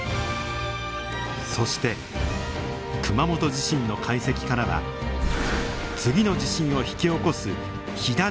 そして熊本地震の解析からは次の地震を引き起こす火種が見えてきました。